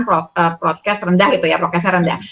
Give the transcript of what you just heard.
protokol kesehatan rendah